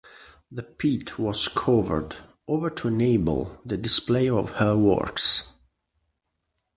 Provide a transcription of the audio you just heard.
The pit was covered over to enable the display of her works.